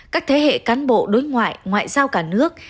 các thế hệ cán bộ đối ngoại ngoại giao cả nước